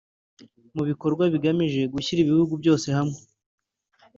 mu bikorwa bigamije gushyira ibihugu byose hamwe